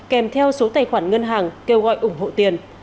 kèm theo số tài khoản ngân hàng kêu gọi ủng hộ tiền